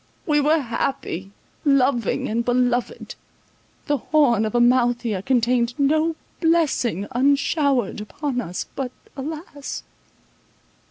We were happy, loving, and beloved; the horn of Amalthea contained no blessing unshowered upon us, but, alas!